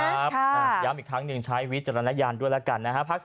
ย้ำอีกครั้งหนึ่งใช้วิจารณญาณด้วยแล้วกันนะฮะ